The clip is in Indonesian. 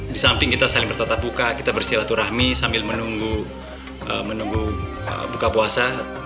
di samping kita saling bertatap buka kita bersilaturahmi sambil menunggu buka puasa